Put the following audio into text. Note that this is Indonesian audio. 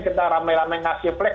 kita ramai ramai ngasih flag